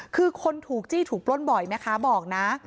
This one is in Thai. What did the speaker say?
คือคนถูกจี้ถูกปล้นบ่อยแม่ค้าบอกนะ